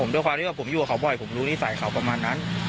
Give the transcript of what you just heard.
ด้วยความที่ว่าผมอยู่กับเขาบ่อยผมรู้นิสัยเขาประมาณนั้น